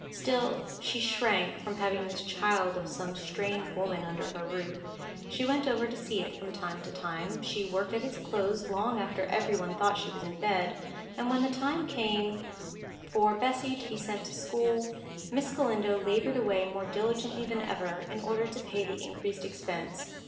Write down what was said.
Still she shrank from having this child of some strange woman under her roof. She went over to see it from time to time; she worked at its clothes long after every one thought she was in bed; and, when the time came for Bessy to be sent to school, Miss Galindo laboured away more diligently than ever, in order to pay the increased expense.